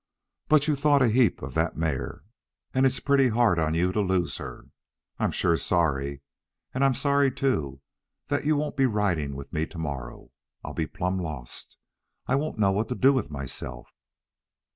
But you thought a heap of that mare, and it's pretty hard on you to lose her. I'm sure sorry. And I'm sorry, too, that you won't be riding with me tomorrow. I'll be plumb lost. I won't know what to do with myself."